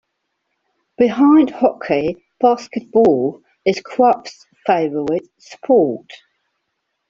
Behind hockey, basketball is Krupp's favorite sport.